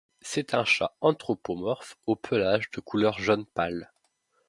C'est un chat anthropomorphe au pelage de couleur jaune pâle.